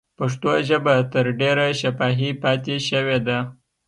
پښتو ژبه تر ډېره شفاهي پاتې شوې ده.